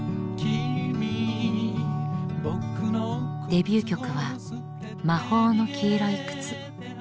デビュー曲は「魔法の黄色い靴」。